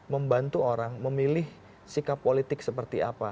membantu orang memilih sikap politik seperti apa